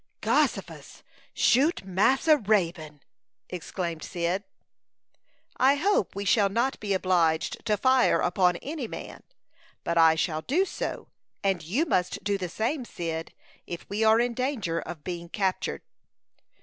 "Gossifus! Shoot Massa Raybone!" exclaimed Cyd. "I hope we shall not be obliged to fire upon any man; but I shall do so, and you must do the same, Cyd, if we are in danger of being captured."